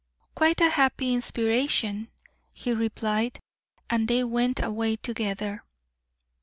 "Quite a happy inspiration," he replied, and they went away together.